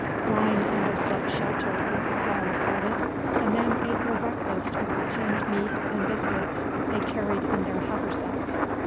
Lying under such shelter as the wall afforded, the men ate their breakfast of the tinned meat and biscuits they carried in their haversacks.